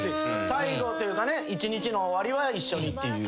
最後というかね一日の終わりは一緒にっていう。